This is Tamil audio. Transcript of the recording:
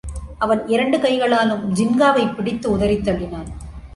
அவன் இரண்டு கைகளாலும் ஜின்காவைப் பிடித்து உதறித் தள்ளினான்.